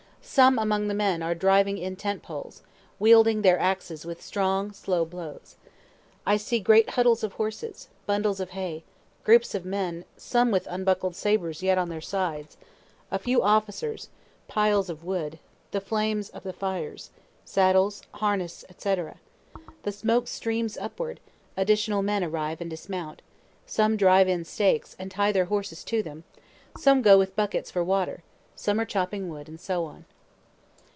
Some among the men are driving in tent poles, wielding their axes with strong, slow blows. I see great huddles of horses, bundles of hay, groups of men (some with unbuckled sabres yet on their sides,) a few officers, piles of wood, the flames of the fires, saddles, harness, &c. The smoke streams upward, additional men arrive and dismount some drive in stakes, and tie their horses to them; some go with buckets for water, some are chopping wood, and so on.